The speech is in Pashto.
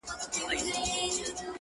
نن: سیاه پوسي ده!!